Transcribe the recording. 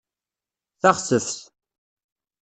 Taɣteft